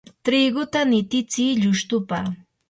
triguta nititsi llustupa.